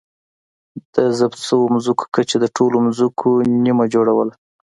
د ضبط شویو ځمکو کچې د ټولو ځمکو نییمه جوړوله